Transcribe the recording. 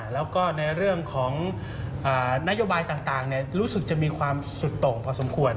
แล้วก็ในเรื่องของนโยบายต่างรู้สึกจะมีความสุดโต่งพอสมควร